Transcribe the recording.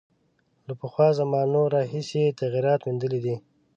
له پخوا زمانو راهیسې یې تغییرات میندلي دي.